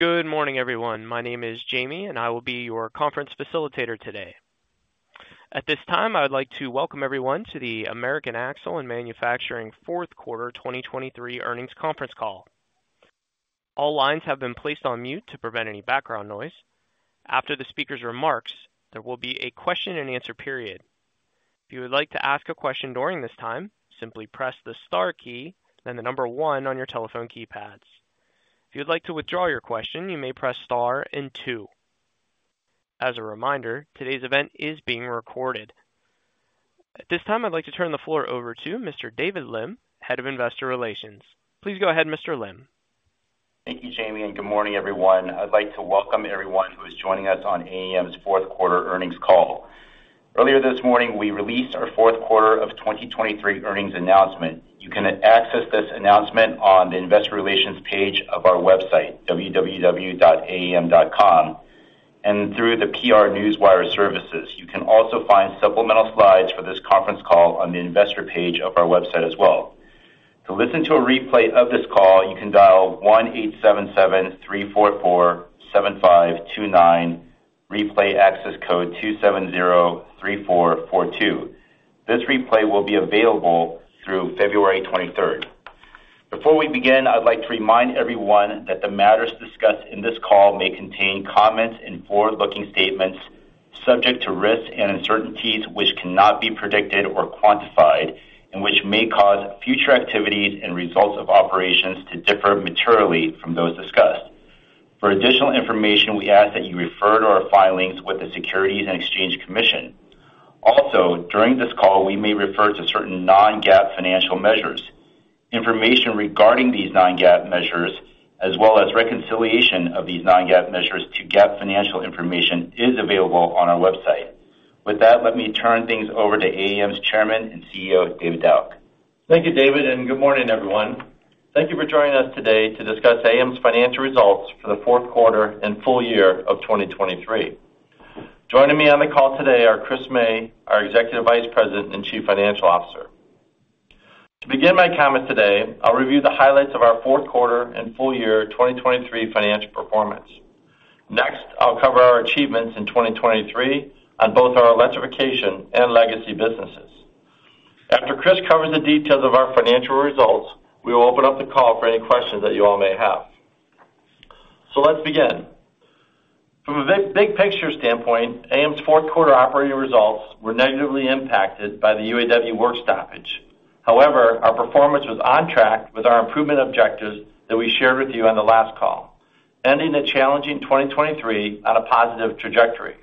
Good morning, everyone. My name is Jamie, and I will be your conference facilitator today. At this time, I would like to welcome everyone to the American Axle & Manufacturing fourth quarter 2023 earnings conference call. All lines have been placed on mute to prevent any background noise. After the speaker's remarks, there will be a question-and-answer period. If you would like to ask a question during this time, simply press the star key, then the number one on your telephone keypads. If you'd like to withdraw your question, you may press star and two. As a reminder, today's event is being recorded. At this time, I'd like to turn the floor over to Mr. David Lim, Head of Investor Relations. Please go ahead, Mr. Lim. Thank you, Jamie, and good morning, everyone. I'd like to welcome everyone who is joining us on AAM's fourth quarter earnings call. Earlier this morning, we released our fourth quarter of 2023 earnings announcement. You can access this announcement on the investor relations page of our website, www.aam.com, and through the PR Newswire services. You can also find supplemental slides for this conference call on the investor page of our website as well. To listen to a replay of this call, you can dial 1-877-344-7529, replay access code 2703442. This replay will be available through February 23rd. Before we begin, I'd like to remind everyone that the matters discussed in this call may contain comments and forward-looking statements subject to risks and uncertainties which cannot be predicted or quantified and which may cause future activities and results of operations to differ materially from those discussed. For additional information, we ask that you refer to our filings with the Securities and Exchange Commission. Also, during this call, we may refer to certain non-GAAP financial measures. Information regarding these non-GAAP measures, as well as reconciliation of these non-GAAP measures to GAAP financial information, is available on our website. With that, let me turn things over to AAM's Chairman and CEO, David Dauch. Thank you, David, and good morning, everyone. Thank you for joining us today to discuss AAM's financial results for the fourth quarter and full year of 2023. Joining me on the call today are Chris May, our Executive Vice President and Chief Financial Officer. To begin my comments today, I'll review the highlights of our fourth quarter and full year 2023 financial performance. Next, I'll cover our achievements in 2023 on both our electrification and legacy businesses. After Chris covers the details of our financial results, we will open up the call for any questions that you all may have. So let's begin. From a big, big picture standpoint, AAM's fourth quarter operating results were negatively impacted by the UAW work stoppage. However, our performance was on track with our improvement objectives that we shared with you on the last call, ending a challenging 2023 on a positive trajectory.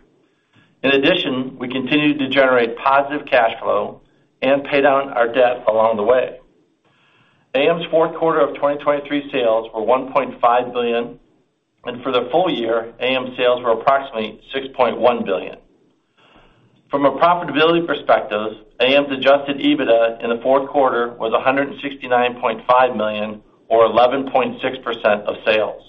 In addition, we continued to generate positive cash flow and pay down our debt along the way. AAM's fourth quarter of 2023 sales were $1.5 billion, and for the full year, AAM sales were approximately $6.1 billion. From a profitability perspective, AAM's adjusted EBITDA in the fourth quarter was $169.5 million or 11.6% of sales.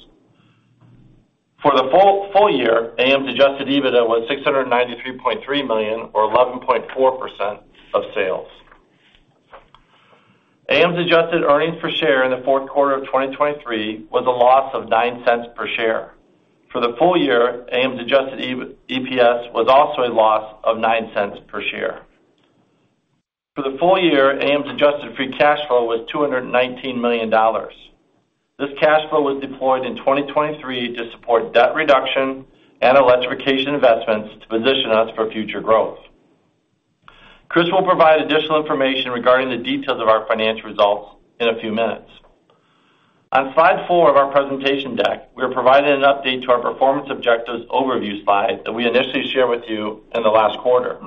For the full, full year, AAM's adjusted EBITDA was $693.3 million or 11.4% of sales. AAM's adjusted earnings per share in the fourth quarter of 2023 was a loss of $0.09 per share. For the full year, AAM's adjusted EPS was also a loss of $0.09 per share. For the full year, AAM's adjusted free cash flow was $219 million. This cash flow was deployed in 2023 to support debt reduction and electrification investments to position us for future growth. Chris will provide additional information regarding the details of our financial results in a few minutes. On slide four of our presentation deck, we are providing an update to our performance objectives overview slide that we initially shared with you in the last quarter.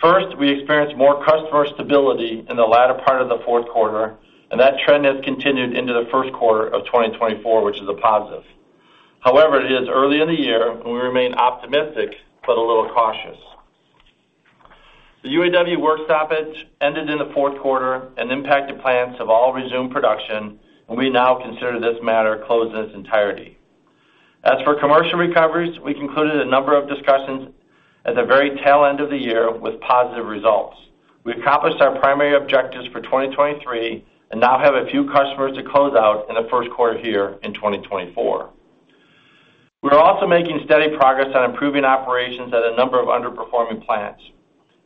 First, we experienced more customer stability in the latter part of the fourth quarter, and that trend has continued into the first quarter of 2024, which is a positive. However, it is early in the year, and we remain optimistic, but a little cautious. The UAW work stoppage ended in the fourth quarter and impacted plants have all resumed production, and we now consider this matter closed in its entirety. As for commercial recoveries, we concluded a number of discussions at the very tail end of the year with positive results. We accomplished our primary objectives for 2023 and now have a few customers to close out in the first quarter here in 2024. We are also making steady progress on improving operations at a number of underperforming plants,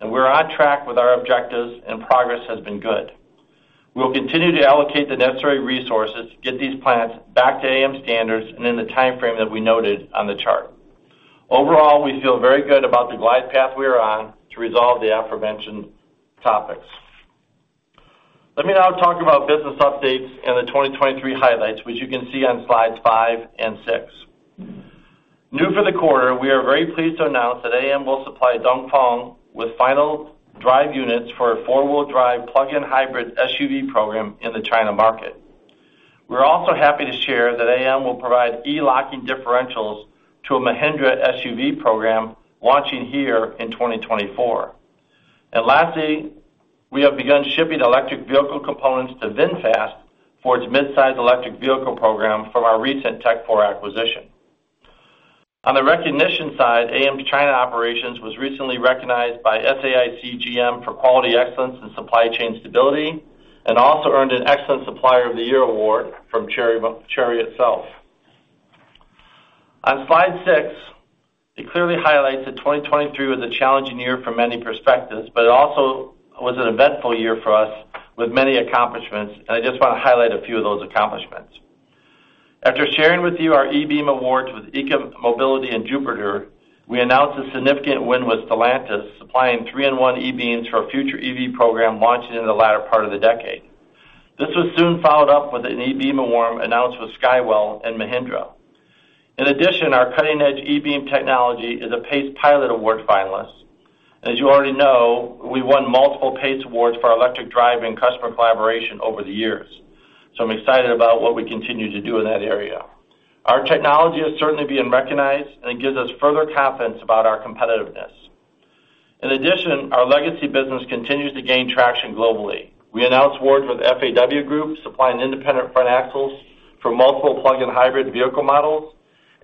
and we're on track with our objectives, and progress has been good. We will continue to allocate the necessary resources to get these plants back to AAM standards and in the timeframe that we noted on the chart. Overall, we feel very good about the glide path we are on to resolve the aforementioned topics. Let me now talk about business updates and the 2023 highlights, which you can see on slides five and six. New for the quarter, we are very pleased to announce that AAM will supply Dongfeng with final drive units for a four-wheel drive plug-in hybrid SUV program in the China market. We're also happy to share that AAM will provide e-locking differentials to a Mahindra SUV program launching here in 2024. And lastly, we have begun shipping electric vehicle components to VinFast for its mid-size electric vehicle program from our recent Tekfor acquisition. On the recognition side, AAM China Operations was recently recognized by SAIC GM for quality, excellence, and supply chain stability, and also earned an excellent Supplier of the Year award from Chery, Chery itself. On slide six, it clearly highlights that 2023 was a challenging year from many perspectives, but it also was an eventful year for us with many accomplishments, and I just want to highlight a few of those accomplishments. After sharing with you our e-Beam awards with EOC Mobility and Jupiter, we announced a significant win with Stellantis, supplying 3-in-1 e-Beams for a future EV program launching in the latter part of the decade. This was soon followed up with an e-Beam award announced with Skywell and Mahindra. In addition, our cutting-edge e-Beam technology is a PACE Pilot Award finalist. As you already know, we won multiple PACE awards for our electric drive and customer collaboration over the years, so I'm excited about what we continue to do in that area. Our technology is certainly being recognized, and it gives us further confidence about our competitiveness. In addition, our legacy business continues to gain traction globally. We announced awards with FAW Group, supplying independent front axles for multiple plug-in hybrid vehicle models,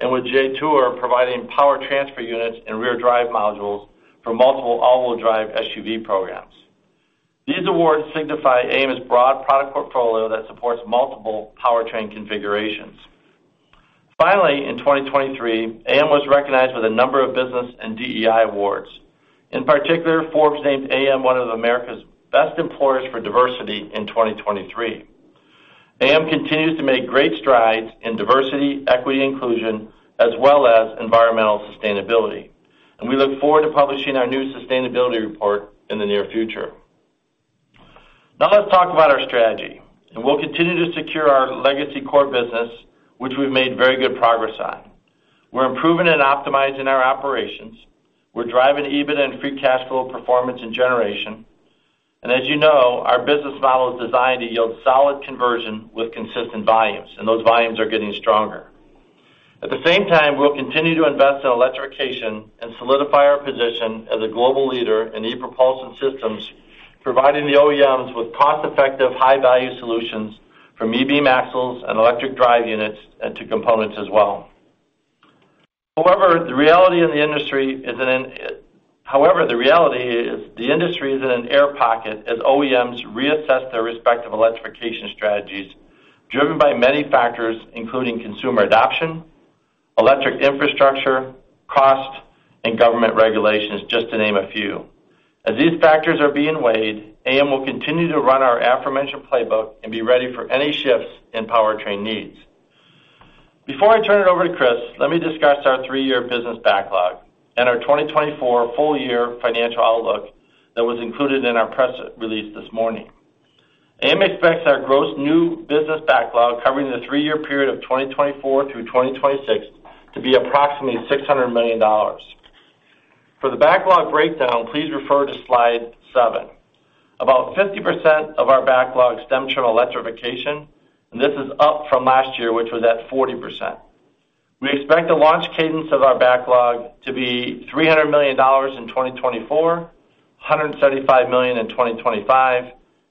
and with Jetour, providing power transfer units and rear drive modules for multiple all-wheel drive SUV programs. These awards signify AAM's broad product portfolio that supports multiple powertrain configurations. Finally, in 2023, AAM was recognized with a number of business and DEI awards. In particular, Forbes named AAM one of America's best employers for diversity in 2023. AAM continues to make great strides in diversity, equity, and inclusion, as well as environmental sustainability, and we look forward to publishing our new sustainability report in the near future. Now, let's talk about our strategy, and we'll continue to secure our legacy core business, which we've made very good progress on. We're improving and optimizing our operations. We're driving EBIT and free cash flow performance and generation. As you know, our business model is designed to yield solid conversion with consistent volumes, and those volumes are getting stronger. At the same time, we'll continue to invest in electrification and solidify our position as a global leader in e-Propulsion systems, providing the OEMs with cost-effective, high-value solutions from e-Beam axles and electric drive units and to components as well. However, the reality is the industry is in an air pocket as OEMs reassess their respective electrification strategies, driven by many factors, including consumer adoption, electric infrastructure, cost, and government regulations, just to name a few. As these factors are being weighed, AAM will continue to run our aforementioned playbook and be ready for any shifts in powertrain needs. Before I turn it over to Chris, let me discuss our three-year business backlog and our 2024 full-year financial outlook that was included in our press release this morning. AAM expects our gross new business backlog covering the three-year period of 2024 through 2026 to be approximately $600 million. For the backlog breakdown, please refer to slide seven. About 50% of our backlog stems from electrification, and this is up from last year, which was at 40%. We expect the launch cadence of our backlog to be $300 million in 2024, $175 million in 2025,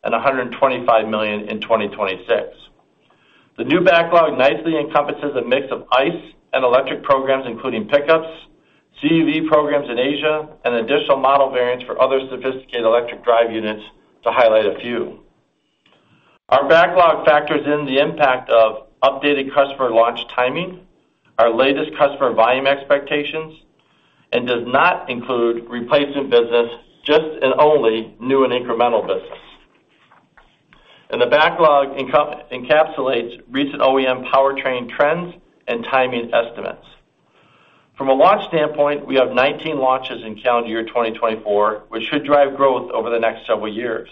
and $125 million in 2026. The new backlog nicely encompasses a mix of ICE and electric programs, including pickups, CUV programs in Asia, and additional model variants for other sophisticated electric drive units, to highlight a few. Our backlog factors in the impact of updated customer launch timing, our latest customer volume expectations, and does not include replacement business, just and only new and incremental business. The backlog encapsulates recent OEM powertrain trends and timing estimates. From a launch standpoint, we have 19 launches in calendar year 2024, which should drive growth over the next several years.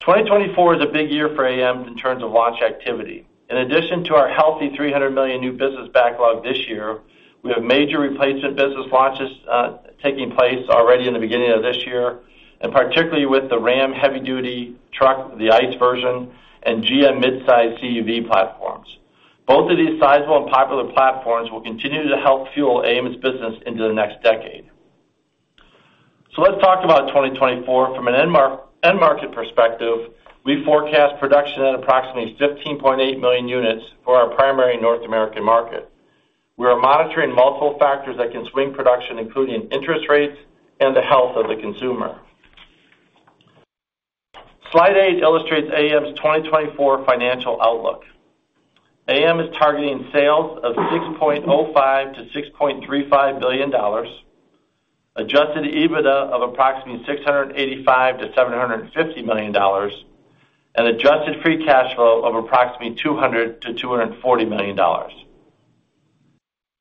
2024 is a big year for AAM in terms of launch activity. In addition to our healthy $300 million new business backlog this year, we have major replacement business launches taking place already in the beginning of this year, and particularly with the Ram Heavy Duty truck, the ICE version, and GM midsize CUV platforms. Both of these sizable and popular platforms will continue to help fuel AAM's business into the next decade. Let's talk about 2024. From an end market perspective, we forecast production at approximately 15.8 million units for our primary North American market. We are monitoring multiple factors that can swing production, including interest rates and the health of the consumer. Slide eight illustrates AAM's 2024 financial outlook. AAM is targeting sales of $6.05 billion-$6.35 billion, adjusted EBITDA of approximately $685 million-$750 million, and adjusted free cash flow of approximately $200 million-$240 million.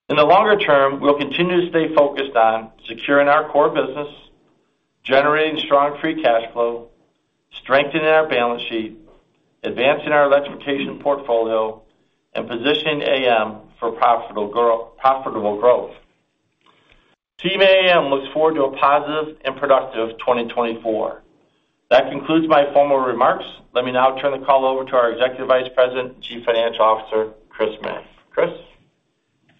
In the longer term, we'll continue to stay focused on securing our core business, generating strong free cash flow, strengthening our balance sheet, advancing our electrification portfolio, and positioning AAM for profitable growth. Team AAM looks forward to a positive and productive 2024. That concludes my formal remarks. Let me now turn the call over to our Executive Vice President and Chief Financial Officer, Chris May. Chris?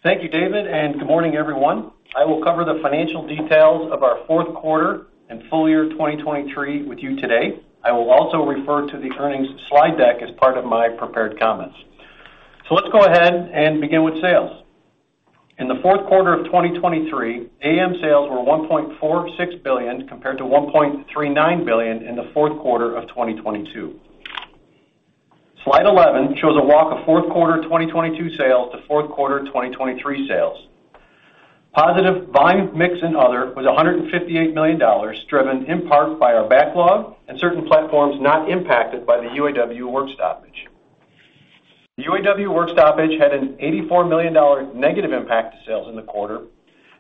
Thank you, David, and good morning, everyone. I will cover the financial details of our fourth quarter and full year 2023 with you today. I will also refer to the earnings slide deck as part of my prepared comments. So let's go ahead and begin with sales. In the fourth quarter of 2023, AAM sales were $1.46 billion, compared to $1.39 billion in the fourth quarter of 2022. Slide 11 shows a walk of fourth quarter 2022 sales to fourth quarter 2023 sales. Positive volume, mix, and other was $158 million, driven in part by our backlog and certain platforms not impacted by the UAW work stoppage. The UAW work stoppage had an $84 million negative impact to sales in the quarter.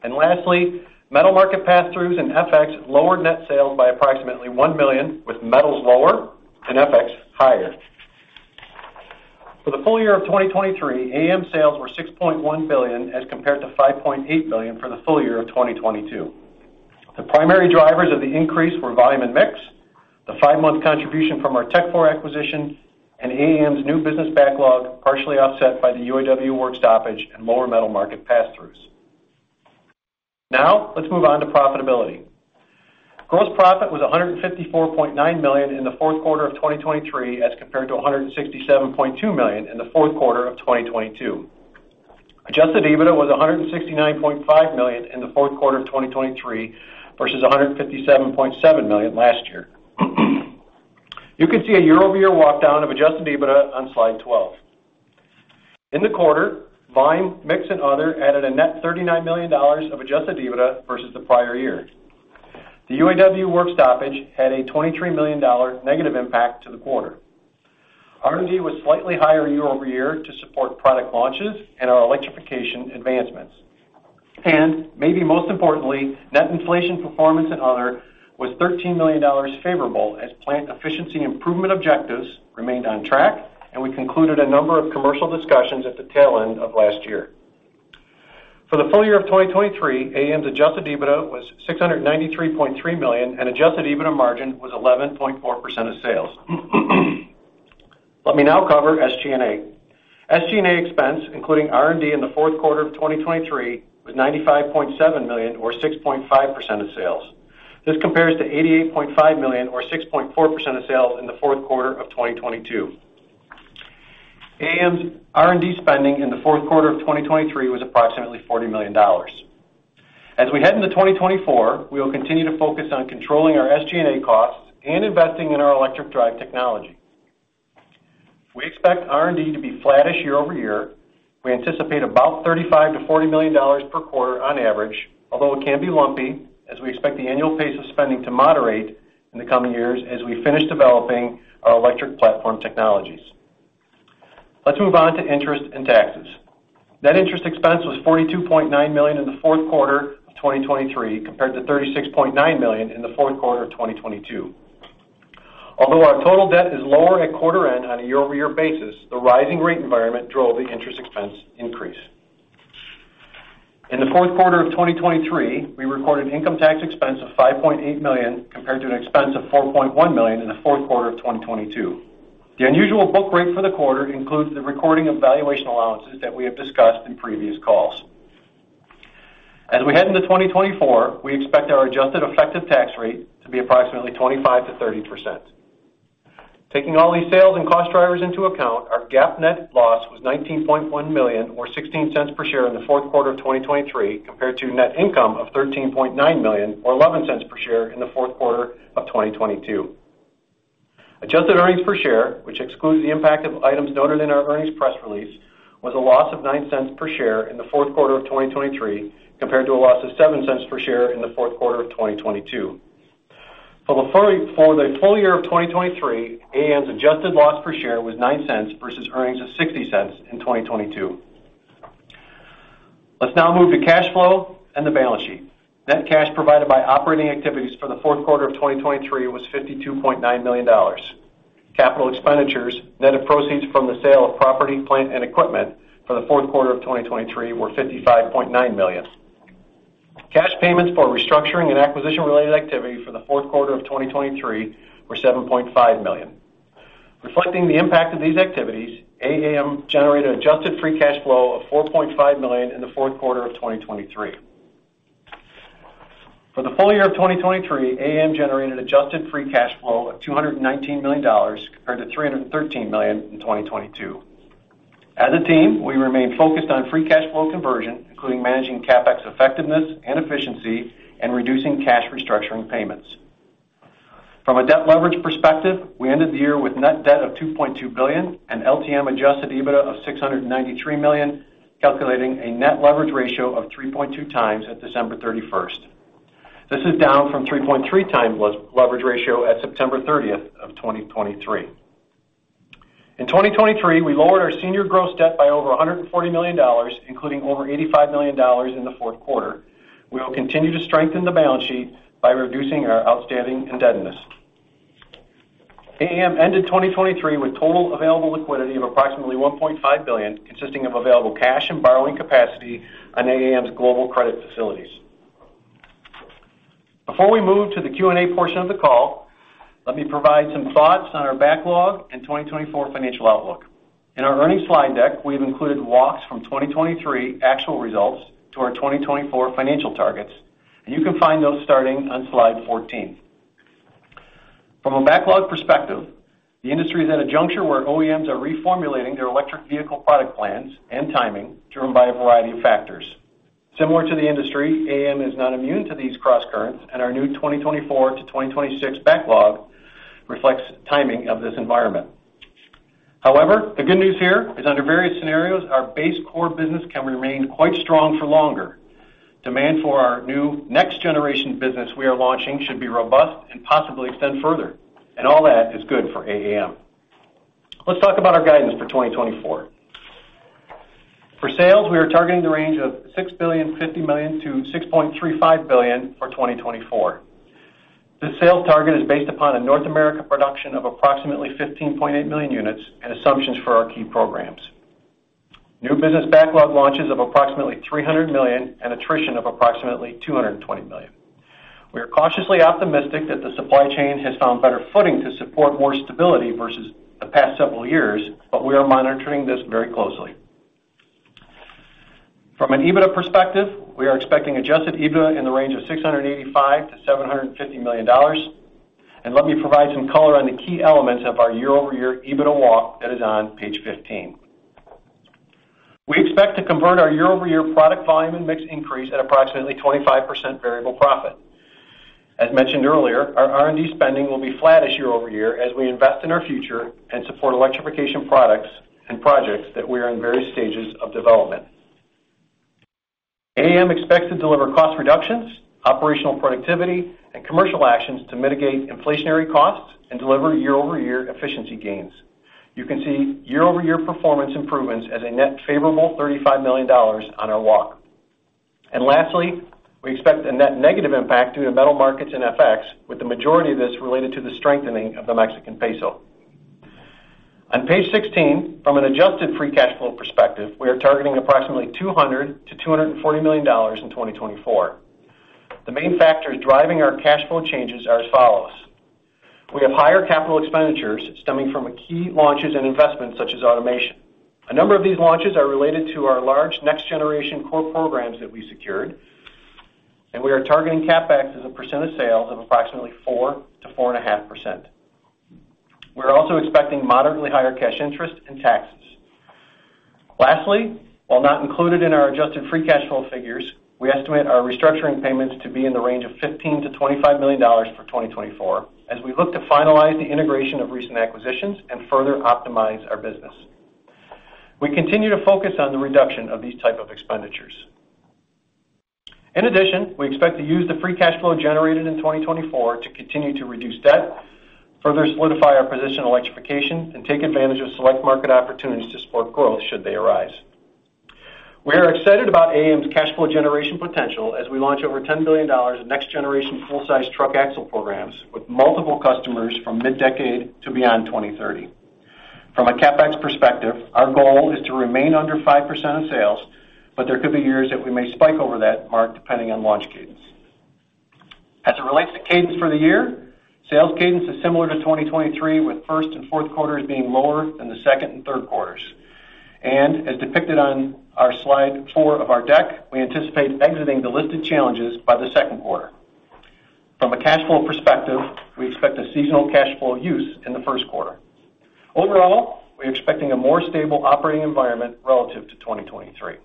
Lastly, metal market pass-throughs and FX lowered net sales by approximately $1 million, with metals lower and FX higher. For the full year of 2023, AAM sales were $6.1 billion, as compared to $5.8 billion for the full year of 2022. The primary drivers of the increase were volume and mix, the five-month contribution from our Tekfor acquisition, and AAM's new business backlog, partially offset by the UAW work stoppage and lower metal market pass-throughs. Now, let's move on to profitability. Gross profit was $154.9 million in the fourth quarter of 2023, as compared to $167.2 million in the fourth quarter of 2022. Adjusted EBITDA was $169.5 million in the fourth quarter of 2023, versus $157.7 million last year. You can see a year-over-year walkdown of Adjusted EBITDA on Slide 12. In the quarter, volume, mix, and other added a net $39 million of Adjusted EBITDA versus the prior year. The UAW work stoppage had a $23 million negative impact to the quarter. R&D was slightly higher year over year to support product launches and our electrification advancements. And maybe most importantly, net inflation performance and other was $13 million favorable, as plant efficiency improvement objectives remained on track, and we concluded a number of commercial discussions at the tail end of last year. For the full year of 2023, AAM's Adjusted EBITDA was $693.3 million, and Adjusted EBITDA margin was 11.4% of sales. Let me now cover SG&A. SG&A expense, including R&D in the fourth quarter of 2023, was $95.7 million, or 6.5% of sales. This compares to $88.5 million, or 6.4% of sales in the fourth quarter of 2022. AAM's R&D spending in the fourth quarter of 2023 was approximately $40 million. As we head into 2024, we will continue to focus on controlling our SG&A costs and investing in our electric drive technology. We expect R&D to be flattish year-over-year. We anticipate about $35 million-$40 million per quarter on average, although it can be lumpy, as we expect the annual pace of spending to moderate in the coming years as we finish developing our electric platform technologies. Let's move on to interest and taxes. Net interest expense was $42.9 million in the fourth quarter of 2023, compared to $36.9 million in the fourth quarter of 2022. Although our total debt is lower at quarter end on a year-over-year basis, the rising rate environment drove the interest expense increase. In the fourth quarter of 2023, we recorded income tax expense of $5.8 million, compared to an expense of $4.1 million in the fourth quarter of 2022. The unusual book rate for the quarter includes the recording of valuation allowances that we have discussed in previous calls. As we head into 2024, we expect our adjusted effective tax rate to be approximately 25%-30%. Taking all these sales and cost drivers into account, our GAAP net loss was $19.1 million, or $0.16 per share in the fourth quarter of 2023, compared to net income of $13.9 million, or $0.11 per share in the fourth quarter of 2022. Adjusted earnings per share, which excludes the impact of items noted in our earnings press release, was a loss of $0.09 per share in the fourth quarter of 2023, compared to a loss of $0.07 per share in the fourth quarter of 2022. For the full year of 2023, AAM's adjusted loss per share was $0.09 versus earnings of $0.60 in 2022. Let's now move to cash flow and the balance sheet. Net cash provided by operating activities for the fourth quarter of 2023 was $52.9 million. Capital expenditures, net of proceeds from the sale of property, plant, and equipment for the fourth quarter of 2023 were $55.9 million. Cash payments for restructuring and acquisition-related activity for the fourth quarter of 2023 were $7.5 million. Reflecting the impact of these activities, AAM generated Adjusted Free Cash Flow of $4.5 million in the fourth quarter of 2023. For the full year of 2023, AAM generated Adjusted Free Cash Flow of $219 million, compared to $313 million in 2022. As a team, we remain focused on free cash flow conversion, including managing CapEx effectiveness and efficiency and reducing cash restructuring payments. From a debt leverage perspective, we ended the year with net debt of $2.2 billion and LTM adjusted EBITDA of $693 million, calculating a net leverage ratio of 3.2x at December 31st. This is down from 3.3x leverage ratio at September 30th of 2023. In 2023, we lowered our senior gross debt by over $140 million, including over $85 million in the fourth quarter. We will continue to strengthen the balance sheet by reducing our outstanding indebtedness. AAM ended 2023 with total available liquidity of approximately $1.5 billion, consisting of available cash and borrowing capacity on AAM's global credit facilities. Before we move to the Q&A portion of the call, let me provide some thoughts on our backlog and 2024 financial outlook. In our earnings slide deck, we've included walks from 2023 actual results to our 2024 financial targets, and you can find those starting on slide 14. From a backlog perspective, the industry is at a juncture where OEMs are reformulating their electric vehicle product plans and timing, driven by a variety of factors. Similar to the industry, AAM is not immune to these crosscurrents, and our new 2024-2026 backlog reflects timing of this environment. However, the good news here is, under various scenarios, our base core business can remain quite strong for longer. Demand for our new next-generation business we are launching should be robust and possibly extend further, and all that is good for AAM. Let's talk about our guidance for 2024. For sales, we are targeting the range of $6.05 billion-$6.35 billion for 2024. The sales target is based upon a North America production of approximately 15.8 million units and assumptions for our key programs. New business backlog launches of approximately $300 million and attrition of approximately $220 million. We are cautiously optimistic that the supply chain has found better footing to support more stability versus the past several years, but we are monitoring this very closely. From an EBITDA perspective, we are expecting adjusted EBITDA in the range of $685 million-$750 million. Let me provide some color on the key elements of our year-over-year EBITDA walk that is on page 15. We expect to convert our year-over-year product volume and mix increase at approximately 25% variable profit. As mentioned earlier, our R&D spending will be flat-ish year-over-year as we invest in our future and support electrification products and projects that we are in various stages of development. AAM expects to deliver cost reductions, operational productivity, and commercial actions to mitigate inflationary costs and deliver year-over-year efficiency gains. You can see year-over-year performance improvements as a net favorable $35 million on our walk. And lastly, we expect a net negative impact due to metal markets and FX, with the majority of this related to the strengthening of the Mexican peso. On page 16, from an adjusted free cash flow perspective, we are targeting approximately $200 million-$240 million in 2024. The main factors driving our cash flow changes are as follows: We have higher capital expenditures stemming from key launches and investments, such as automation. A number of these launches are related to our large next-generation core programs that we secured, and we are targeting CapEx as a percent of sales of approximately 4%-4.5%. We're also expecting moderately higher cash interest and taxes. Lastly, while not included in our adjusted free cash flow figures, we estimate our restructuring payments to be in the range of $15 million-$25 million for 2024, as we look to finalize the integration of recent acquisitions and further optimize our business. We continue to focus on the reduction of these type of expenditures. In addition, we expect to use the free cash flow generated in 2024 to continue to reduce debt, further solidify our position on electrification, and take advantage of select market opportunities to support growth should they arise. We are excited about AAM's cash flow generation potential as we launch over $10 billion of next-generation full-size truck axle programs with multiple customers from mid-decade to beyond 2030. From a CapEx perspective, our goal is to remain under 5% of sales, but there could be years that we may spike over that mark, depending on launch cadence. As it relates to cadence for the year, sales cadence is similar to 2023, with first and fourth quarters being lower than the second and third quarters. As depicted on our slide 4 of our deck, we anticipate exiting the listed challenges by the second quarter. From a cash flow perspective, we expect a seasonal cash flow use in the first quarter. Overall, we're expecting a more stable operating environment relative to 2023.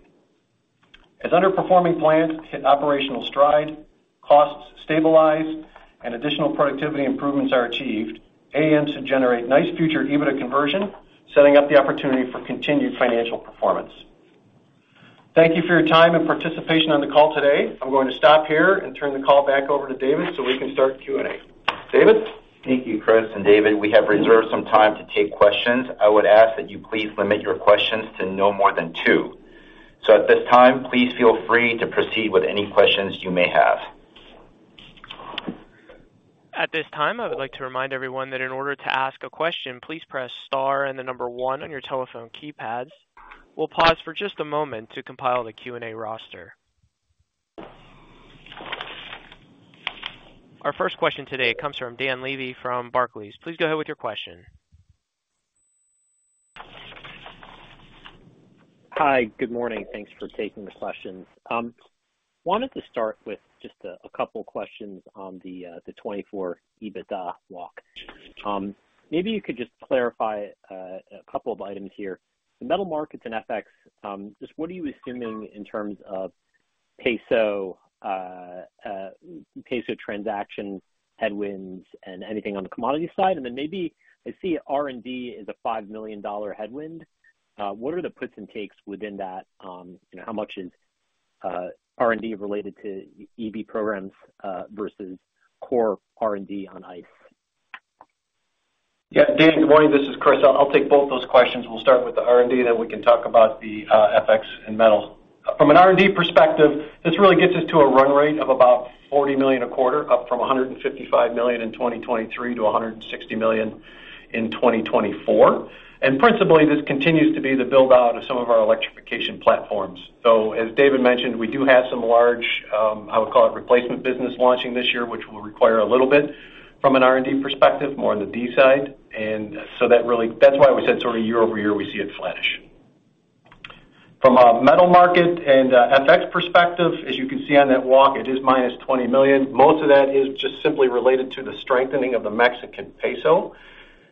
As underperforming plants hit operational stride, costs stabilize and additional productivity improvements are achieved, AAM should generate nice future EBITDA conversion, setting up the opportunity for continued financial performance. Thank you for your time and participation on the call today. I'm going to stop here and turn the call back over to David, so we can start Q&A. David? Thank you, Chris and David. We have reserved some time to take questions. I would ask that you please limit your questions to no more than two. So at this time, please feel free to proceed with any questions you may have. At this time, I would like to remind everyone that in order to ask a question, please press star and the number one on your telephone keypads. We'll pause for just a moment to compile the Q&A roster. Our first question today comes from Dan Levy from Barclays. Please go ahead with your question. Hi, good morning. Thanks for taking the questions. Wanted to start with just a couple of questions on the 2024 EBITDA walk. Maybe you could just clarify a couple of items here. The metal markets and FX, just what are you assuming in terms of peso transaction headwinds and anything on the commodity side? And then maybe I see R&D is a $5 million headwind. What are the puts and takes within that? And how much is R&D related to EV programs versus core R&D on ICE? Yeah, Dan, good morning. This is Chris. I'll take both those questions. We'll start with the R&D, then we can talk about the FX and metals. From an R&D perspective, this really gets us to a run rate of about $40 million a quarter, up from $155 million in 2023 to $160 million in 2024. And principally, this continues to be the build-out of some of our electrification platforms. So as David mentioned, we do have some large, I would call it, replacement business launching this year, which will require a little bit from an R&D perspective, more on the D side. And so that really. That's why we said sort of year-over-year, we see it flattish. From a metal market and FX perspective, as you can see on that walk, it is -$20 million. Most of that is just simply related to the strengthening of the Mexican peso.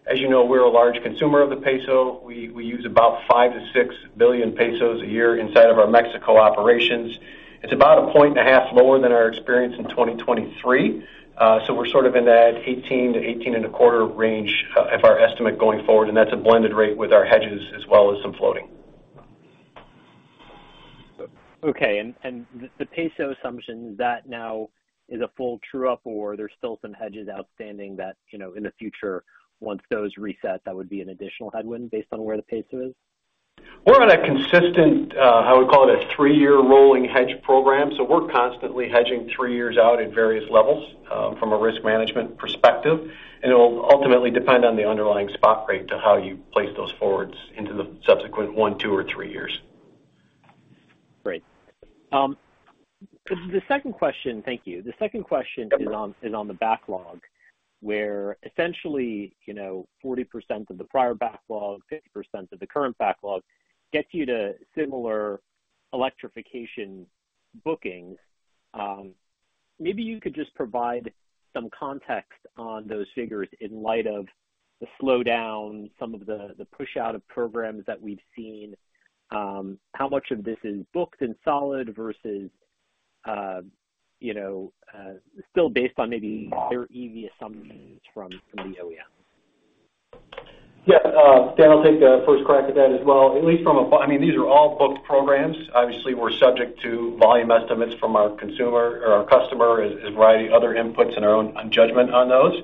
As you know, we're a large consumer of the peso. We use about 5 billion-6 billion pesos a year inside of our Mexico operations. It's about 1.5 lower than our experience in 2023. So we're sort of in that 18-18.25 range of our estimate going forward, and that's a blended rate with our hedges as well as some floating. Okay. The peso assumption, is that now a full true up, or there's still some hedges outstanding that, you know, in the future, once those reset, that would be an additional headwind based on where the peso is? We're on a consistent, I would call it a 3-year rolling hedge program, so we're constantly hedging 3 years out at various levels, from a risk management perspective. And it'll ultimately depend on the underlying spot rate to how you place those forwards into the subsequent 1, 2, or 3 years. Great. The second question. Thank you. The second question is on the backlog, where essentially, you know, 40% of the prior backlog, 50% of the current backlog, gets you to similar electrification bookings. Maybe you could just provide some context on those figures in light of the slowdown, some of the pushout of programs that we've seen, how much of this is booked and solid versus, you know, still based on maybe their EV assumptions from the OEM? Yeah, Dan, I'll take the first crack at that as well. At least from a—I mean, these are all booked programs. Obviously, we're subject to volume estimates from our consumer or our customer, a variety of other inputs and our own judgment on those.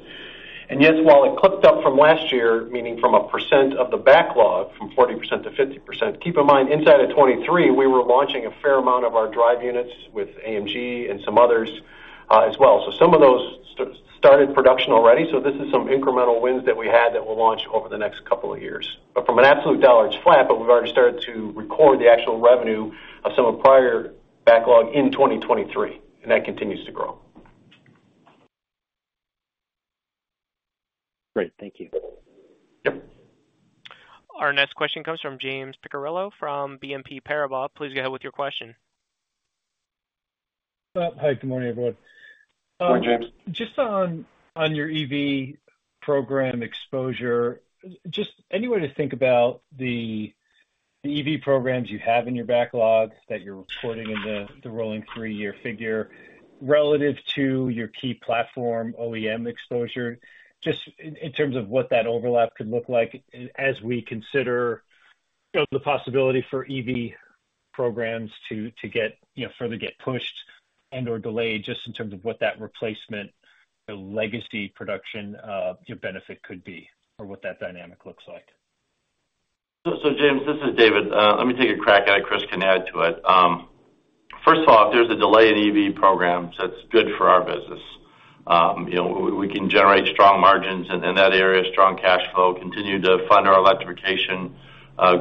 And yes, while it clipped up from last year, meaning from a percent of the backlog from 40%-50%, keep in mind, inside of 2023, we were launching a fair amount of our drive units with AAM and some others, as well. So some of those started production already, so this is some incremental wins that we had that will launch over the next couple of years. But from an absolute dollar, it's flat, but we've already started to record the actual revenue of some of prior backlog in 2023, and that continues to grow. Great, thank you. Yep. Our next question comes from James Picariello from BNP Paribas. Please go ahead with your question. Hi, good morning, everyone. Hi, James. Just on your EV program exposure, just any way to think about the EV programs you have in your backlog that you're recording in the rolling three-year figure relative to your key platform OEM exposure, just in terms of what that overlap could look like as we consider, you know, the possibility for EV programs to get, you know, further pushed and/or delayed, just in terms of what that replacement, the legacy production, your benefit could be or what that dynamic looks like. So, James, this is David. Let me take a crack at it, Chris can add to it. First of all, if there's a delay in EV programs, that's good for our business. You know, we can generate strong margins in that area, strong cash flow, continue to fund our electrification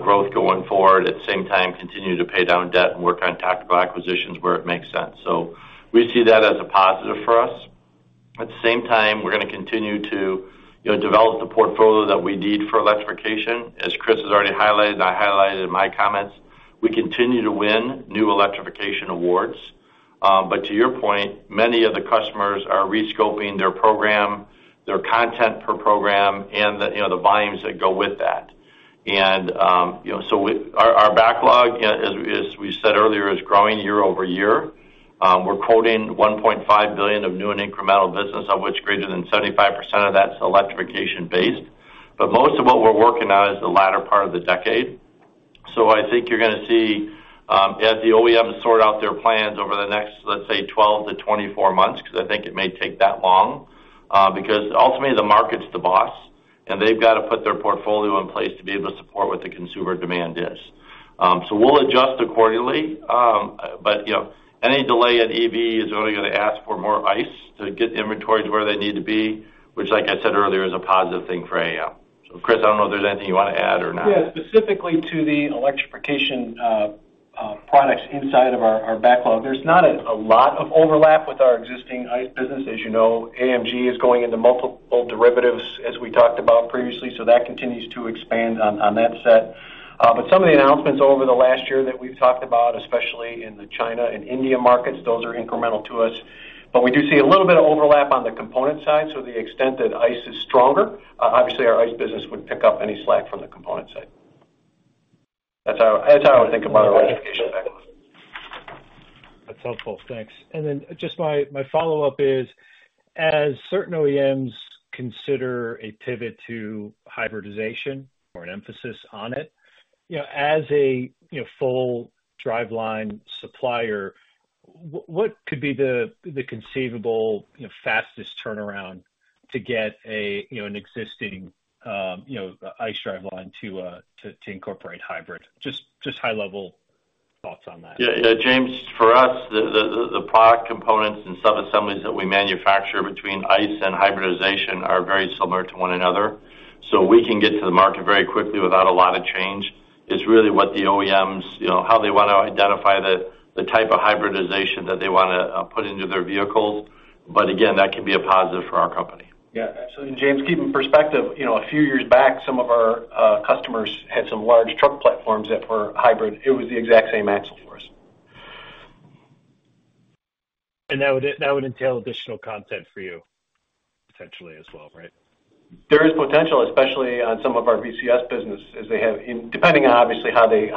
growth going forward. At the same time, continue to pay down debt and work on tactical acquisitions where it makes sense. So we see that as a positive for us. At the same time, we're gonna continue to, you know, develop the portfolio that we need for electrification. As Chris has already highlighted, and I highlighted in my comments, we continue to win new electrification awards. But to your point, many of the customers are rescoping their program, their content per program, and the, you know, the volumes that go with that. You know, so our backlog, as we said earlier, is growing year-over-year. We're quoting $1.5 billion of new and incremental business, of which greater than 75% of that's electrification based. But most of what we're working on is the latter part of the decade. So I think you're gonna see, as the OEMs sort out their plans over the next, let's say, 12-24 months, because I think it may take that long, because ultimately, the market's the boss, and they've got to put their portfolio in place to be able to support what the consumer demand is. So we'll adjust accordingly, but, you know, any delay in EV is only gonna ask for more ICE to get the inventories where they need to be, which, like I said earlier, is a positive thing for AAM. So Chris, I don't know if there's anything you want to add or not. Yeah, specifically to the electrification, products inside of our backlog, there's not a lot of overlap with our existing ICE business. As you know, AAM is going into multiple derivatives, as we talked about previously, so that continues to expand on that set. But some of the announcements over the last year that we've talked about, especially in the China and India markets, those are incremental to us. But we do see a little bit of overlap on the component side. So to the extent that ICE is stronger, obviously, our ICE business would pick up any slack from the component side. That's how I would think about our electrification backlog. That's helpful. Thanks. And then just my follow-up is, as certain OEMs consider a pivot to hybridization or an emphasis on it, you know, as a, you know, full driveline supplier, what could be the conceivable, you know, fastest turnaround to get a, you know, an existing, ICE driveline to incorporate hybrid? Just high-level thoughts on that. Yeah. Yeah, James, for us, the product components and subassemblies that we manufacture between ICE and hybridization are very similar to one another. So we can get to the market very quickly without a lot of change. It's really what the OEMs, you know, how they wanna identify the type of hybridization that they wanna put into their vehicles. But again, that can be a positive for our company. Yeah, so James, keep in perspective, you know, a few years back, some of our customers had some large truck platforms that were hybrid. It was the exact same axle for us. And that would entail additional content for you potentially as well, right? There is potential, especially on some of our VCS business, as they have depending on obviously how they,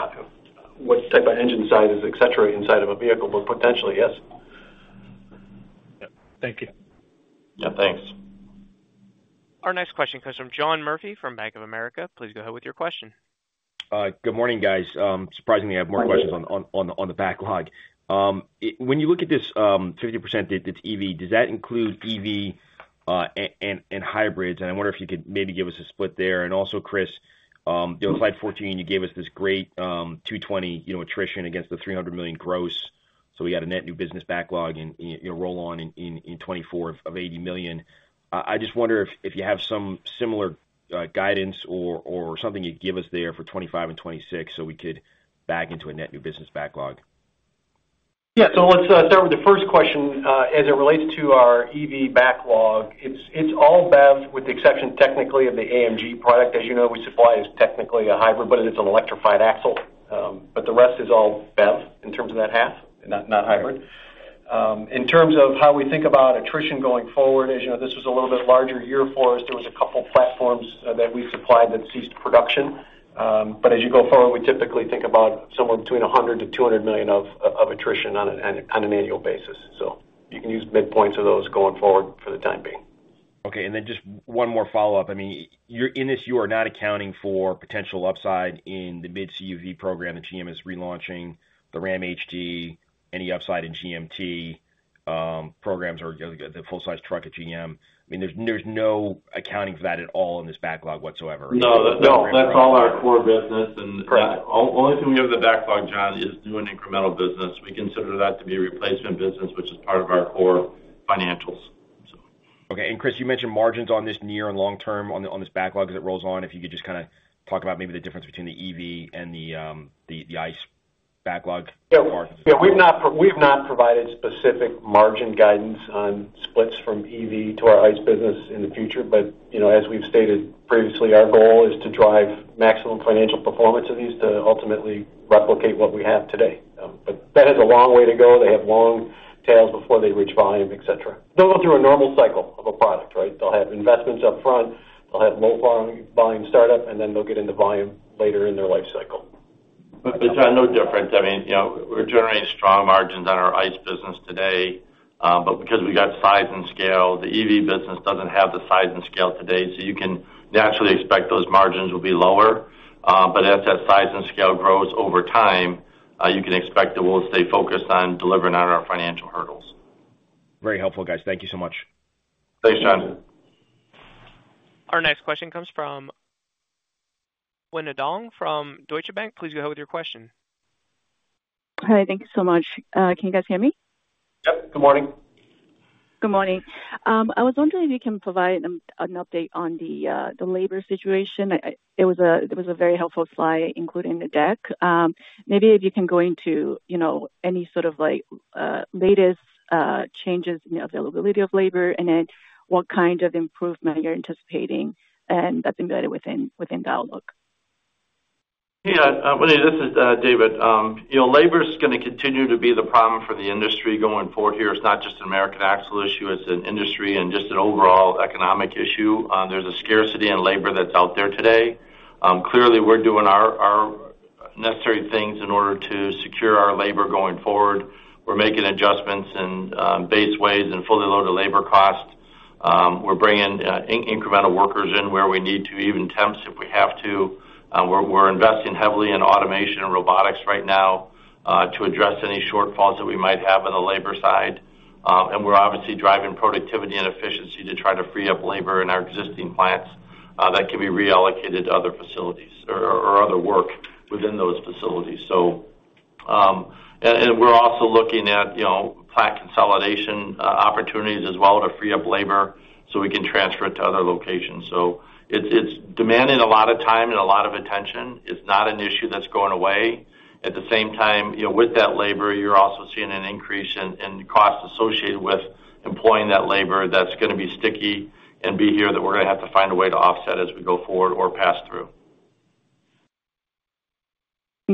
what type of engine size is, et cetera, inside of a vehicle, but potentially, yes. Yep. Thank you. Yeah, thanks. Our next question comes from John Murphy from Bank of America. Please go ahead with your question. Good morning, guys. Surprisingly, I have more questions on the backlog. When you look at this 50%, it's EV, does that include EV and hybrids? And I wonder if you could maybe give us a split there. Also, Chris, on slide 14, you gave us this great 220, you know, attrition against the $300 million gross. So we got a net new business backlog and, you know, roll on in 2024 of $80 million. I just wonder if you have some similar guidance or something you'd give us there for 2025 and 2026, so we could back into a net new business backlog. Yeah. So let's start with the first question. As it relates to our EV backlog, it's all BEV, with the exception, technically, of the AMG product. As you know, we supply is technically a hybrid, but it's an electrified axle. But the rest is all BEV in terms of that half, not, not hybrid. In terms of how we think about attrition going forward, as you know, this was a little bit larger year for us. There was a couple of platforms that we supplied that ceased production. But as you go forward, we typically think about somewhere between $100 million-$200 million of attrition on an annual basis. So you can use midpoints of those going forward for the time being. Okay, and then just one more follow-up. I mean, you're in this, you are not accounting for potential upside in the mid CUV program that GM is relaunching, the Ram HD, any upside in GMT programs or the full-size truck at GM. I mean, there's, there's no accounting for that at all in this backlog whatsoever? No, no, that's all our core business. Correct. The only thing we have the backlog, John, is new and incremental business. We consider that to be a replacement business, which is part of our core financials, so. Okay. And Chris, you mentioned margins on this near and long term on this backlog as it rolls on. If you could just kind of talk about maybe the difference between the EV and the ICE backlog. Yeah. Yeah, we've not provided specific margin guidance on splits from EV to our ICE business in the future, but, you know, as we've stated previously, our goal is to drive maximum financial performance of these to ultimately replicate what we have today. But that has a long way to go. They have long tails before they reach volume, etc. They'll go through a normal cycle of a product, right? They'll have investments up front, they'll have low volume startup, and then they'll get into volume later in their life cycle. But there's no difference. I mean, you know, we're generating strong margins on our ICE business today, but because we got size and scale, the EV business doesn't have the size and scale today, so you can naturally expect those margins will be lower. But as that size and scale grows over time, you can expect that we'll stay focused on delivering on our financial hurdles. Very helpful, guys. Thank you so much. Thanks, John. Our next question comes from Winnie Dong from Deutsche Bank. Please go ahead with your question. Hi, thank you so much. Can you guys hear me? Yep. Good morning. Good morning. I was wondering if you can provide an update on the labor situation. It was a very helpful slide, including the deck. Maybe if you can go into, you know, any sort of like latest changes in the availability of labor and then what kind of improvement you're anticipating, and that's embedded within the outlook. Yeah, Winnie, this is David. You know, labor is gonna continue to be the problem for the industry going forward here. It's not just an American Axle issue, it's an industry and just an overall economic issue. There's a scarcity in labor that's out there today. Clearly, we're doing our necessary things in order to secure our labor going forward. We're making adjustments in base wages and fully loaded labor costs. We're bringing incremental workers in where we need to, even temps, if we have to. We're investing heavily in automation and robotics right now to address any shortfalls that we might have on the labor side. And we're obviously driving productivity and efficiency to try to free up labor in our existing plants that can be reallocated to other facilities or other work within those facilities. So, we're also looking at, you know, plant consolidation opportunities as well to free up labor so we can transfer it to other locations. So it's demanding a lot of time and a lot of attention. It's not an issue that's going away. At the same time, you know, with that labor, you're also seeing an increase in costs associated with employing that labor that's gonna be sticky and be here that we're gonna have to find a way to offset as we go forward or pass through.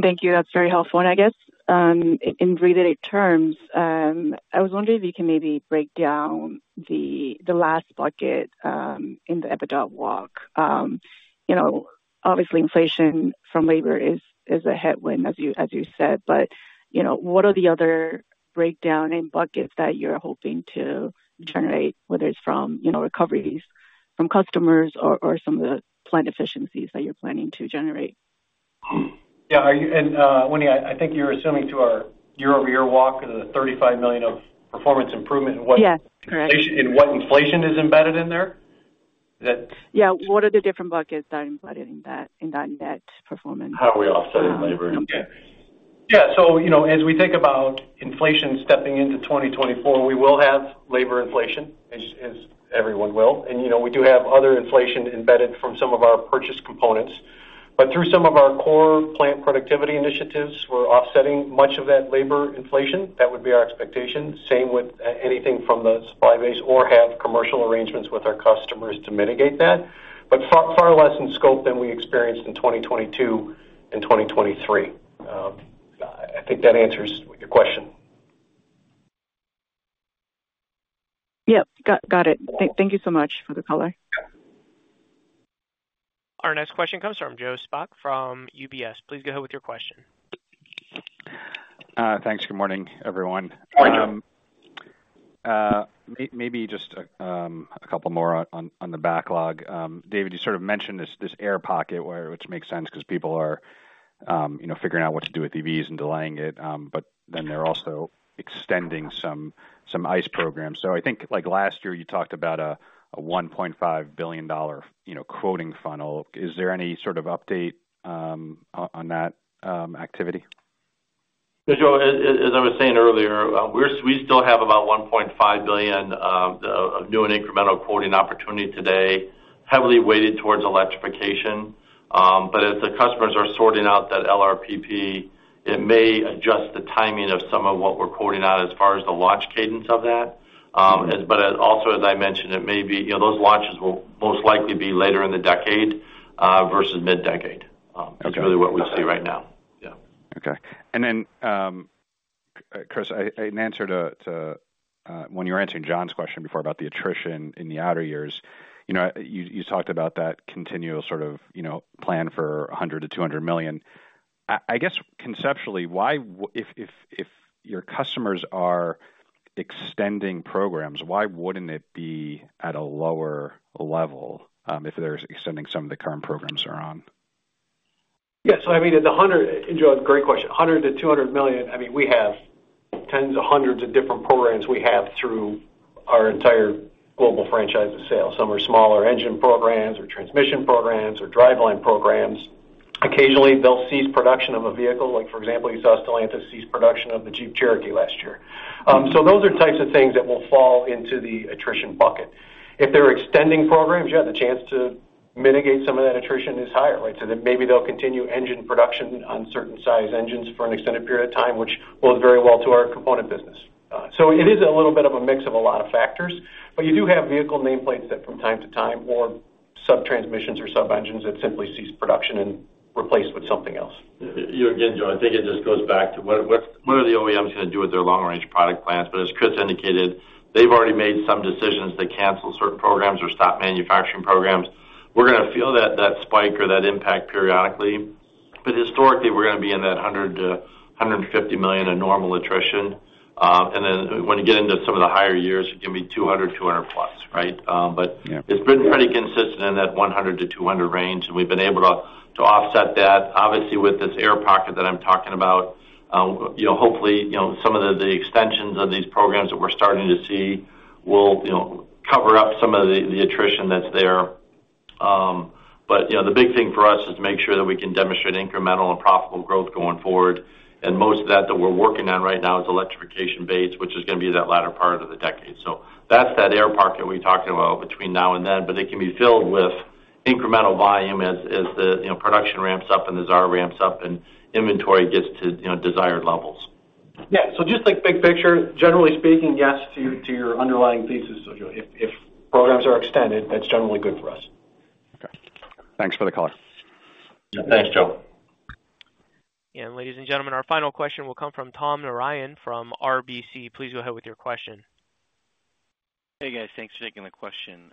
Thank you. That's very helpful. And I guess, in related terms, I was wondering if you can maybe break down the last bucket in the EBITDA walk. You know, obviously, inflation from labor is a headwind, as you said, but, you know, what are the other breakdown in buckets that you're hoping to generate, whether it's from, you know, recoveries from customers or some of the plant efficiencies that you're planning to generate? Yeah, are you and, Winnie, I think you're assuming to our year-over-year walk of the $35 million of performance improvement- Yes, correct. and what inflation is embedded in there? Is that- Yeah. What are the different buckets that are embedded in that, in that net performance? How are we offsetting labor? Okay. Yeah. So, you know, as we think about inflation stepping into 2024, we will have labor inflation, as, as everyone will. And, you know, we do have other inflation embedded from some of our purchase components. But through some of our core plant productivity initiatives, we're offsetting much of that labor inflation. That would be our expectation. Same with anything from the supply base or have commercial arrangements with our customers to mitigate that, but far, far less in scope than we experienced in 2022 and 2023. I think that answers your question. Yep. Got it. Thank you so much for the color. Our next question comes from Joe Spak from UBS. Please go ahead with your question. Thanks. Good morning, everyone. Good morning. Maybe just a couple more on the backlog. David, you sort of mentioned this air pocket where, which makes sense because people are, you know, figuring out what to do with EVs and delaying it, but then they're also extending some ICE programs. So I think, like last year, you talked about a $1.5 billion, you know, quoting funnel. Is there any sort of update on that activity? So Joe, as I was saying earlier, we still have about $1.5 billion of new and incremental quoting opportunity today, heavily weighted towards electrification. But as the customers are sorting out that LRPP, it may adjust the timing of some of what we're quoting on as far as the launch cadence of that. But also, as I mentioned, it may be, you know, those launches will most likely be later in the decade, versus mid-decade. Okay. That's really what we see right now. Yeah. Okay. And then, Chris, in answer to, when you were answering John's question before about the attrition in the outer years, you know, you talked about that continual sort of, you know, plan for $100 million-$200 million. I guess, conceptually, why if your customers are extending programs, why wouldn't it be at a lower level, if they're extending some of the current programs they're on? Yeah, so I mean, the $100 million-$200 million and Joe, great question. $100 million-$200 million, I mean, we have tens of hundreds of different programs we have through our entire global franchise of sales. Some are smaller engine programs or transmission programs or driveline programs. Occasionally, they'll cease production of a vehicle. Like, for example, you saw Stellantis cease production of the Jeep Cherokee last year. So those are types of things that will fall into the attrition bucket. If they're extending programs, yeah, the chance to mitigate some of that attrition is higher, right? So then maybe they'll continue engine production on certain size engines for an extended period of time, which bodes very well to our component business. So it is a little bit of a mix of a lot of factors, but you do have vehicle nameplates that from time to time or sub-transmissions or sub-engines that simply cease production and replaced with something else. Yeah, again, Joe, I think it just goes back to what are the OEMs going to do with their long-range product plans? But as Chris indicated, they've already made some decisions to cancel certain programs or stop manufacturing programs. We're gonna feel that spike or that impact periodically, but historically, we're gonna be in that $100 million-$150 million in normal attrition. And then when you get into some of the higher years, it can be 200+ right? Yeah. It's been pretty consistent in that $100 million-$200 million range, and we've been able to offset that, obviously, with this air pocket that I'm talking about. You know, hopefully, some of the extensions of these programs that we're starting to see will cover up some of the attrition that's there. But, you know, the big thing for us is to make sure that we can demonstrate incremental and profitable growth going forward. And most of that we're working on right now is electrification-based, which is gonna be that latter part of the decade. So that's that air pocket we talked about between now and then, but it can be filled with incremental volume as the production ramps up and the SAAR ramps up and inventory gets to desired levels. Yeah, so just like big picture, generally speaking, yes, to your underlying thesis, so Joe, if programs are extended, that's generally good for us. Okay. Thanks for the call. Thanks, Joe. Ladies and gentlemen, our final question will come from Tom Narayan from RBC. Please go ahead with your question. Hey, guys. Thanks for taking the question.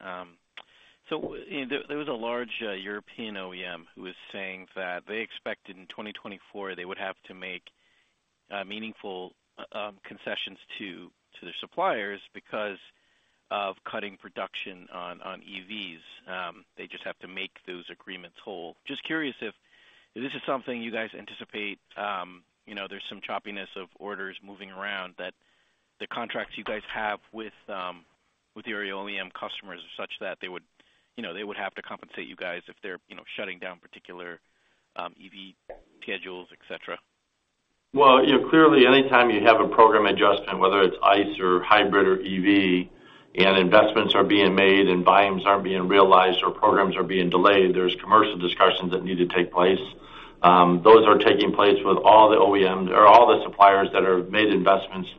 So there was a large European OEM who was saying that they expected in 2024, they would have to make meaningful concessions to their suppliers because of cutting production on EVs. They just have to make those agreements whole. Just curious if this is something you guys anticipate, you know, there's some choppiness of orders moving around, that the contracts you guys have with your OEM customers are such that they would, you know, they would have to compensate you guys if they're, you know, shutting down particular EV schedules, etc. Well, you know, clearly, anytime you have a program adjustment, whether it's ICE or hybrid or EV, and investments are being made and volumes aren't being realized or programs are being delayed, there's commercial discussions that need to take place. Those are taking place with all the OEMs or all the suppliers that have made investments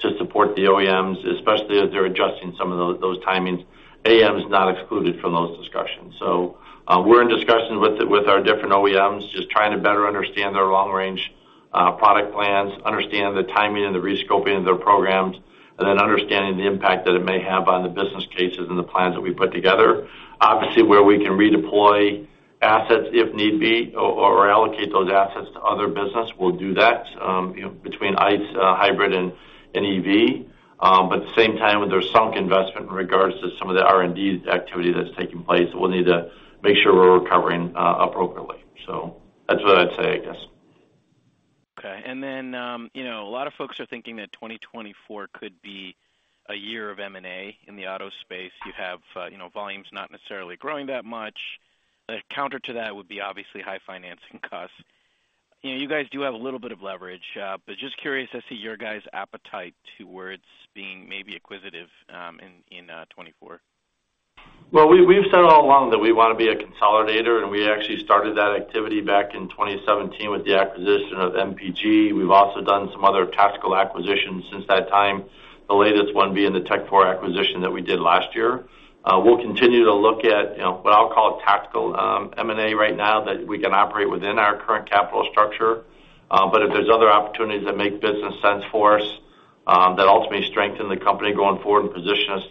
to support the OEMs, especially as they're adjusting some of those timings. AAM is not excluded from those discussions. So, we're in discussions with our different OEMs, just trying to better understand their long-range product plans, understand the timing and the rescoping of their programs, and then understanding the impact that it may have on the business cases and the plans that we put together. Obviously, where we can redeploy assets if need be or allocate those assets to other business, we'll do that, you know, between ICE, hybrid and EV. But at the same time, when there's sunk investment in regards to some of the R&D activity that's taking place, we'll need to make sure we're recovering appropriately. So that's what I'd say, I guess. Okay. And then, you know, a lot of folks are thinking that 2024 could be a year of M&A in the auto space. You have, you know, volumes not necessarily growing that much. The counter to that would be obviously high financing costs. You know, you guys do have a little bit of leverage, but just curious to see your guys' appetite to where it's being maybe acquisitive, in 2024. Well, we, we've said all along that we wanna be a consolidator, and we actually started that activity back in 2017 with the acquisition of MPG. We've also done some other tactical acquisitions since that time, the latest one being the Tekfor acquisition that we did last year. We'll continue to look at, you know, what I'll call tactical M&A right now, that we can operate within our current capital structure. But if there's other opportunities that make business sense for us, that ultimately strengthen the company going forward and position us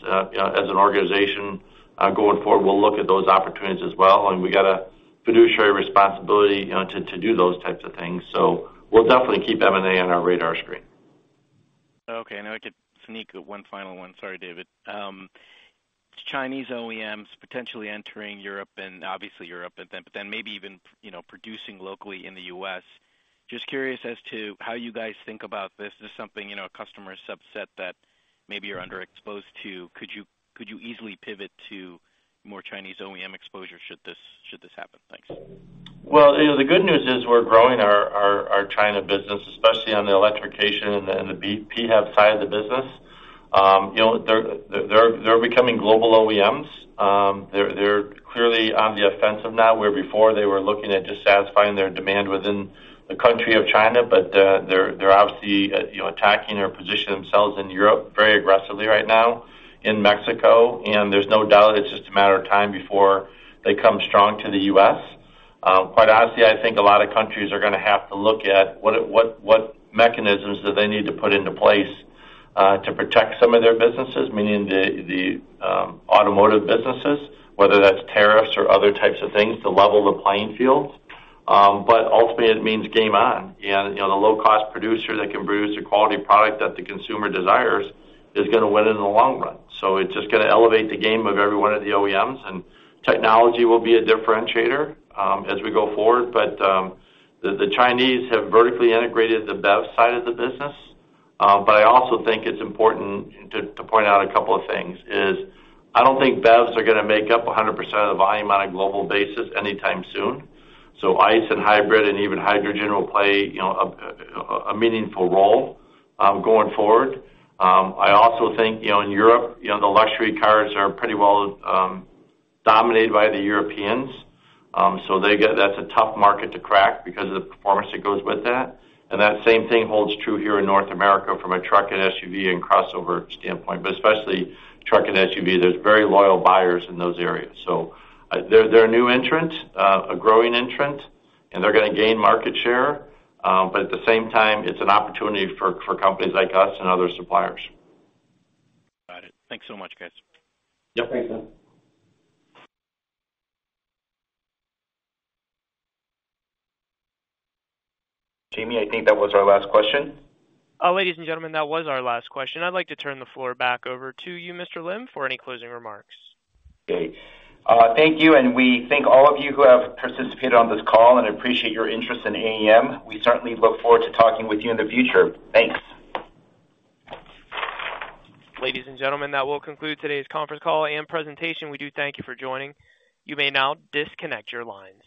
as an organization going forward, we'll look at those opportunities as well, and we got a fiduciary responsibility, you know, to do those types of things. So we'll definitely keep M&A on our radar screen. Okay, I could sneak one final one. Sorry, David. Chinese OEMs potentially entering Europe and obviously Europe, but then maybe even, you know, producing locally in the U.S. Just curious as to how you guys think about this. Is this something, you know, a customer subset that maybe you're underexposed to? Could you easily pivot to more Chinese OEM exposure should this happen? Thanks. Well, you know, the good news is we're growing our China business, especially on the electrification and the PHEV side of the business. You know, they're becoming global OEMs. They're clearly on the offensive now, where before they were looking at just satisfying their demand within the country of China, but they're obviously, you know, attacking or positioning themselves in Europe very aggressively right now, in Mexico, and there's no doubt it's just a matter of time before they come strong to the U.S. Quite honestly, I think a lot of countries are gonna have to look at what mechanisms do they need to put into place to protect some of their businesses, meaning the automotive businesses, whether that's tariffs or other types of things, to level the playing field. But ultimately, it means game on. And, you know, the low-cost producer that can produce a quality product that the consumer desires is gonna win in the long run. So it's just gonna elevate the game of every one of the OEMs, and technology will be a differentiator as we go forward. But the Chinese have vertically integrated the BEV side of the business. But I also think it's important to point out a couple of things, is I don't think BEVs are gonna make up 100% of the volume on a global basis anytime soon. So ICE and hybrid and even hydrogen will play, you know, a meaningful role going forward. I also think, you know, in Europe, you know, the luxury cars are pretty well dominated by the Europeans. So that's a tough market to crack because of the performance that goes with that. That same thing holds true here in North America from a truck and SUV and crossover standpoint, but especially truck and SUV. There's very loyal buyers in those areas. So, they're, they're a new entrant, a growing entrant, and they're gonna gain market share, but at the same time, it's an opportunity for, for companies like us and other suppliers. Got it. Thanks so much, guys. Yeah, thanks, Dan. Jamie, I think that was our last question. Ladies and gentlemen, that was our last question. I'd like to turn the floor back over to you, Mr. Lim, for any closing remarks. Great. Thank you, and we thank all of you who have participated on this call, and appreciate your interest in AAM. We certainly look forward to talking with you in the future. Thanks. Ladies and gentlemen, that will conclude today's conference call and presentation. We do thank you for joining. You may now disconnect your lines.